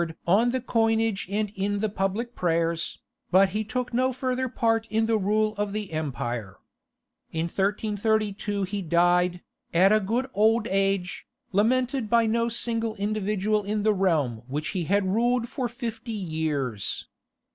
on the coinage and in the public prayers, but he took no further part in the rule of the empire. In 1332 he died, at a good old age, lamented by no single individual in the realm which he had ruled for fifty years.